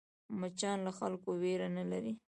مچان له خلکو وېره نه لري